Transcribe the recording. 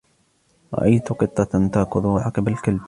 رأيت قطة تركض عقب الكلب.